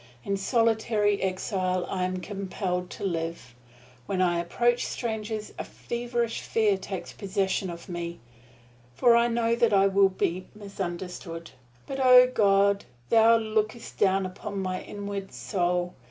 In solitary exile I am compelled to live. When I approach strangers a feverish fear takes possession of me, for I know that I will be misunderstood. But O God, Thou lookest down upon my inward soul!